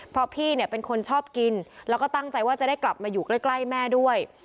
เพราะพี่เนี่ยเป็นคนชอบกินแล้วก็ตั้งใจว่าจะได้กลับมาอยู่ใกล้แม่ด้วย